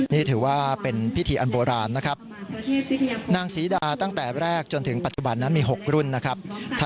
นี่ถือว่าเป็นพิธีอันโบราณนะครับ